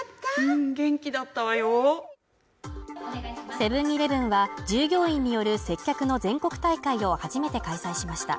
セブン−イレブンは、従業員による接客の全国大会を初めて開催しました。